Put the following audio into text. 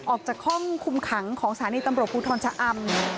ออกจากห้องคุมขังของสถานีตำรวจภูทรชะอำ